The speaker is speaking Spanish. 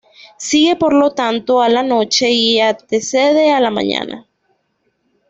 Sigue por lo tanto a la noche y antecede a la mañana.